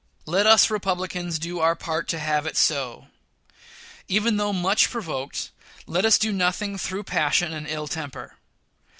Let us Republicans do our part to have it so. Even though much provoked, let us do nothing through passion and ill temper.